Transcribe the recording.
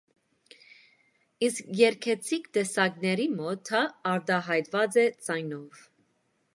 Իսկ երգեցիկ տեսակների մոտ դա արտահայտված է ձայնով։